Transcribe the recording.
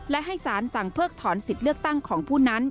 และให้สารสั่งเพิกถอนสิทธิ์เลือกตั้งของผู้นั้น